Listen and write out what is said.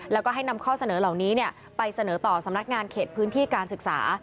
แล้วก็ให้นำข้อเสนอเหล่านี้ไปเสนอต่อสำนักงานเขตพื้นที่การศึกษา